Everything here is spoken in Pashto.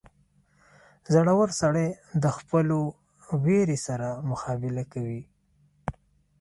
• زړور سړی د خپلو وېرې سره مقابله کوي.